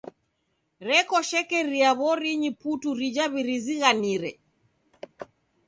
Reko shekeria w'orinyi putu rija w'irizighanire.